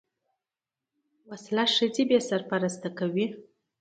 وسله ښځې بې سرپرسته کوي